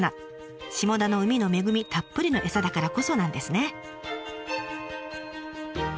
下田の海の恵みたっぷりの餌だからこそなんですね。